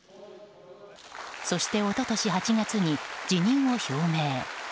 そしておととし８月に辞任を表明。